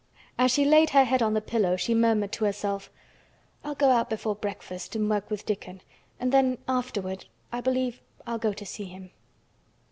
As she laid her head on the pillow she murmured to herself: "I'll go out before breakfast and work with Dickon and then afterward—I believe—I'll go to see him."